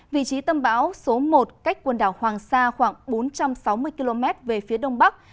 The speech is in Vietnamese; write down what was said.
vị trí tâm bão số một cách quần đảo hoàng sa khoảng bốn trăm sáu mươi km về phía đông bắc